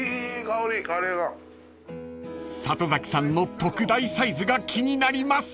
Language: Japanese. ［里崎さんの特大サイズが気になります］